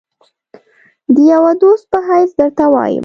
د یوه دوست په حیث درته وایم.